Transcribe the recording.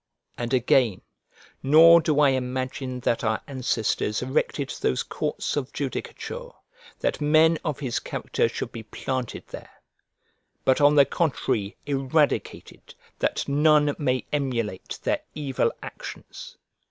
And again: "Nor do I imagine that our ancestors erected those courts of judicature that men of his character should be planted there, but on the contrary', eradicated, that none may emulate their evil actions."